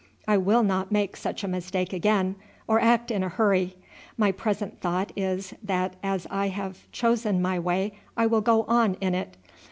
I will not make such a mistake again, or act in a hurry. My present thought is that as I have chosen my way I will go on in it.